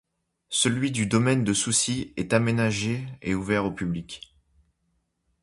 Celui du domaine de Soucy est aménagé et ouvert au public.